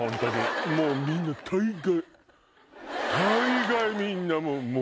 もうみんな大概！